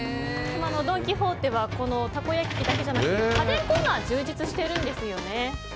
ドン・キホーテはたこ焼き器だけじゃなくて家電コーナー充実してるんですよね。